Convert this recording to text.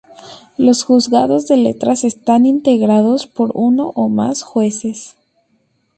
Los juzgados de letras están integrados por uno o más jueces.